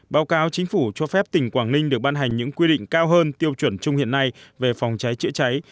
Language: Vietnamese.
báo cáo chính phủ cho phép tỉnh quảng ninh được ban hành những quy định cao hơn tiêu chuẩn chung hiện nay về phòng cháy chữa cháy